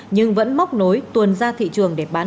nhưng vẫn móc nối tuần ra thị trường để bán